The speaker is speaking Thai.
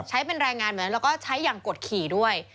ใช้เป็นแรงงานไว้แล้วก็ใช้อย่างกดขี่ด้วย